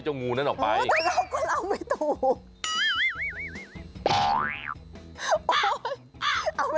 ต้องเอาไปตู่